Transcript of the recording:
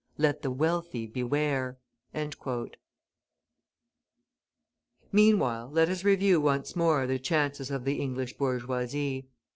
Let the wealthy beware!" Meanwhile, let us review once more the chances of the English bourgeoisie.